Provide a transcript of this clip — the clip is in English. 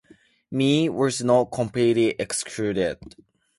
Meat was not completely excluded.